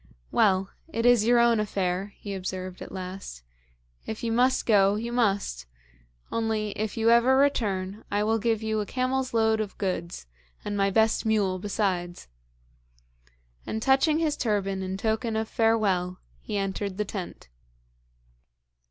'Well, it is your own affair,' he observed at last. 'If you must go, you must. Only, if you ever return, I will give you a camel's load of goods and my best mule besides.' And touching his turban in token of farewell, he entered the tent.